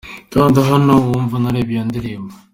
Kanda hano wumve unarebe iyo ndirimbo.